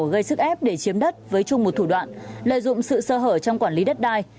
gây sức ép để chiếm đất với chung một thủ đoạn lợi dụng sự sơ hở trong quản lý đất đai